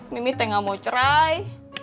mimi teh nggak mau cerai